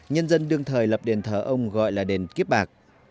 nhân dân đương thời lập đền thờ ông gọi là đền kiếp bạc